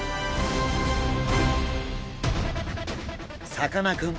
さかなクン